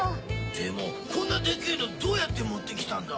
でもこんなでけぇのどうやって持ってきたんだ？